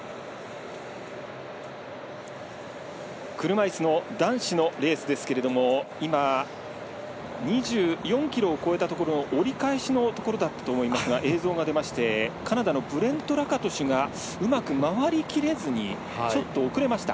車いすの男子のレースですけれども２４ｋｍを超えたところ折り返しのところの映像が出まして、カナダのブレント・ラカトシュがうまく曲がりきれずにちょっと遅れました。